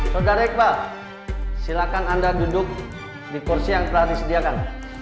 saudara iqbal silakan anda duduk di kursi yang telah disediakan